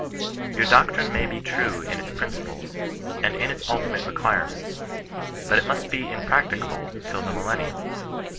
" Your doctrine may be true in its principles^ and in its ultimate requirements ; but it must be impracticable till the millennium.